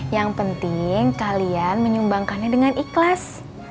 yang penting kalian menyumbangkannya dengan ikhlas